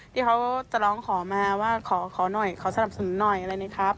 ที่เขาจะร้องขอมาว่าขอหน่อยขอสนับสนุนหน่อยอะไรนะครับ